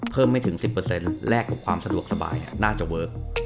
ไม่ถึง๑๐แลกกับความสะดวกสบายน่าจะเวิร์ค